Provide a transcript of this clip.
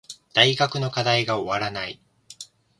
大学の課題が終わらない